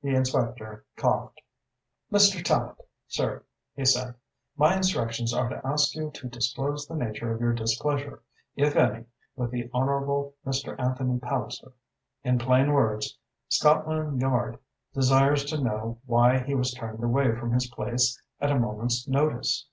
The inspector coughed. "Mr. Tallente, sir," he said, "my instructions are to ask you to disclose the nature of your displeasure, if any, with the Honourable Mr. Anthony Palliser. In plain words, Scotland Yard desires to know why he was turned away from his place at a moment's notice."